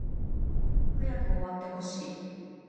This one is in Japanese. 早く終わってほしい